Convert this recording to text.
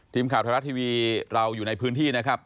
ทีมข่าวไทยรัฐทีวีเราอยู่ในพื้นที่นะครับ